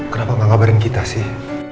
kenapa gak ngabarin kita sih